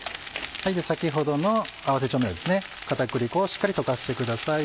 先ほどの合わせ調味料片栗粉をしっかり溶かしてください。